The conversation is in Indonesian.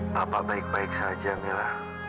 bapak baik baik saja bella